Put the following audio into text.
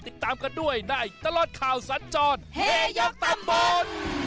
ติดตามกันด้วยในตลอดข่าวสัญจรเฮยกตำบล